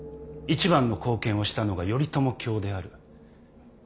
一番の貢献をしたのが頼朝卿である。